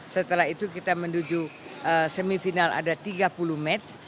setelah itu kita menuju semifinal ada tiga puluh match